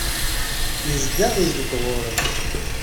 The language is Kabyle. Izga ibedd ɣur-s.